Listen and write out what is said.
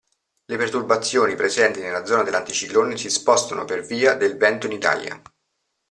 Le perturbazioni presenti nella zona dell'anticiclone si spostano per via del vento in Italia.